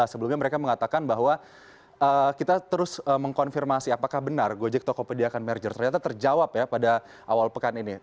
sebelumnya mereka mengatakan bahwa kita terus mengkonfirmasi apakah benar gojek tokopedia akan merger ternyata terjawab ya pada awal pekan ini